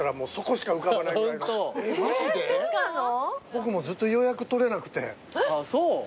僕もずっと予約取れなくて。